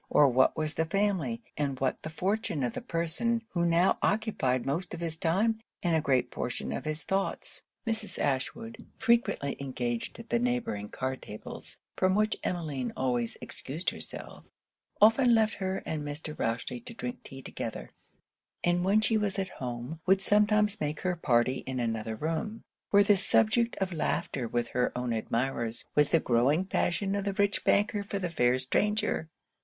or what was the family and what the fortune of the person who now occupied most of his time and a great portion of his thoughts? Mrs. Ashwood, frequently engaged at the neighbouring card tables, from which Emmeline almost always excused herself, often left her and Mr. Rochely to drink tea together; and when she was at home, would sometimes make her party in another room, where the subject of laughter with her own admirers, was the growing passion of the rich banker for the fair stranger.